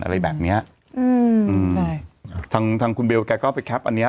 อะไรแบบเนี้ยอืมใช่ทางทางคุณเบลแกก็ไปแคปอันเนี้ย